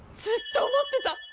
ずっと思ってた。